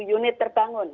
delapan unit terbangun